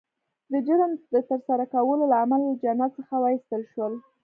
د جرم د ترسره کولو له امله له جنت څخه وایستل شول